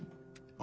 あ！